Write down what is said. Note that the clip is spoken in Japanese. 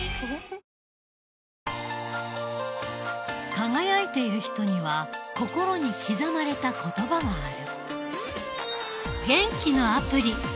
輝いている人には心に刻まれた言葉がある